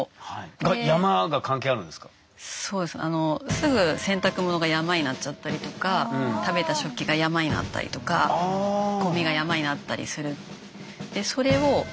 すぐ洗濯物が山になっちゃったりとか食べた食器が山になったりとかゴミが山になったりする。